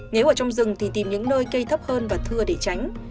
nếu ở trong rừng thì tìm những nơi cây thấp hơn và thưa để tránh